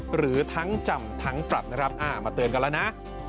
หรือทั้งจำทั้งปรับนะครับมาเตือนกันแล้วนะ